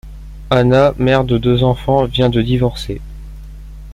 Anna mère de deux enfants vient de divorcer.